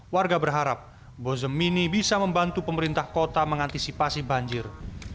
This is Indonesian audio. warga berharap bozem ini bisa membantu pemerintah kota mengantisipasi banjir